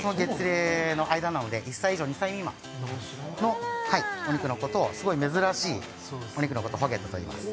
その月齢の間なので１歳以上２歳未満のすごい珍しいお肉のことをホゲットといいます